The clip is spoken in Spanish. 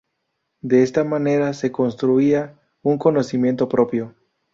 De esta manera se construía un conocimiento propio.